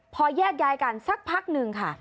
พอแยกย้ายกันสักพักหนึ่งค่ะ